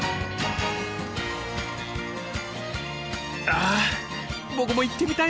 あ僕も行ってみたいなぁ。